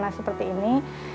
suasana seperti ini